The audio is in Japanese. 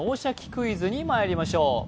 クイズ」にまいりましょう。